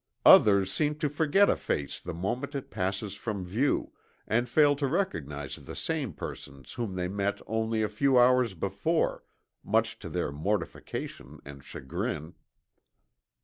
Others seem to forget a face the moment it passes from view, and fail to recognize the same persons whom they met only a few hours before, much to their mortification and chagrin.